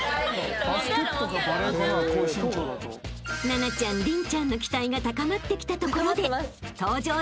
［奈々ちゃん麟ちゃんの期待が高まってきたところで］